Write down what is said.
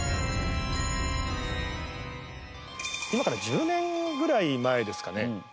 今から１０年ぐらい前ですかね。